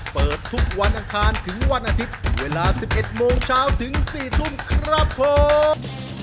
เปิดทุกวันอังคารถึงวันอาทิตย์เวลา๑๑โมงเช้าถึง๔ทุ่มครับผม